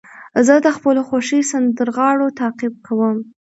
زه د خپلو خوښې سندرغاړو تعقیب کوم.